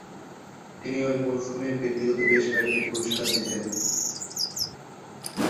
তিনি ঐ মৌসুমে ব্যক্তিগত বেশ কয়েকটি পুরস্কার জেতেন।